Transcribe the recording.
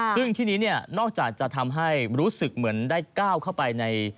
ซึ่งที่นี้เนี่ยนอกจากจะทำให้รู้สึกเหมือนได้ก้าวเข้าไปใน